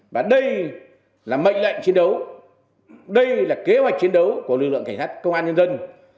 và đây là mệnh lệnh chiến đấu đây là kế hoạch chiến đấu của lực lượng cảnh sát công an nhân dân